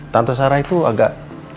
tante sarah itu agak